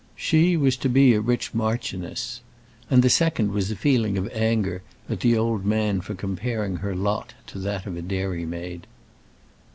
She was to be a rich marchioness. And the second was a feeling of anger at the old man for comparing her lot to that of a dairymaid.